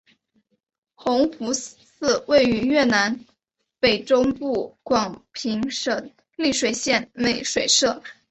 弘福寺位于越南北中部广平省丽水县美水社。